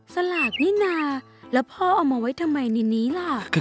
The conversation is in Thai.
สลากนี่นาแล้วพ่อเอามาไว้ทำไมในนี้ล่ะ